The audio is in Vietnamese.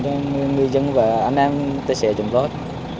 cho người dân và anh em ta sẽ chăm sóc